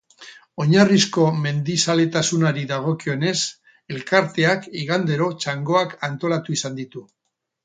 Oinarrizko mendizaletasunari dagokionez, Elkarteak igandero txangoak antolatu izan ditu.